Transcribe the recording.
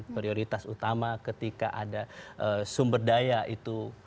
prioritas utama ketika ada sumber daya itu